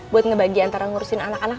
buat ngebagi antara ngurusin anak anak